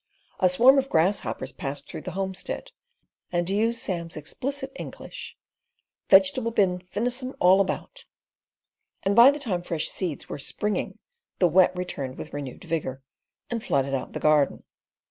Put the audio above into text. A swarm of grasshoppers passed through the homestead, and to use Sam's explicit English: "Vegetable bin finissem all about"; and by the time fresh seeds were springing the Wet returned with renewed vigour, and flooded out the garden.